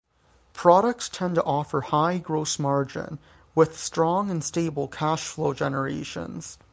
Products tend to offer high, gross margin with strong and stable cash flow generations.